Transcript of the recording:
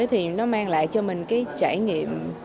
thì nó mang lại cho mình cái trải nghiệm